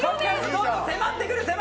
どんどん迫ってくる！